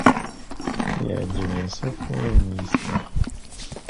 Yeɛjeb-as akk wayen yesla.